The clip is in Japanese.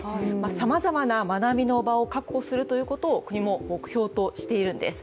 さまざまな学びの場を確保するということを国も目標としているんです。